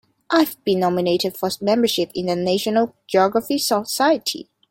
I've been nominated for membership in the National Geographic Society.